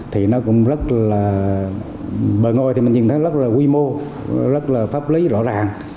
thì nó cũng rất là bờ ngôi thì mình nhìn thấy rất là quy mô rất là pháp lý rõ ràng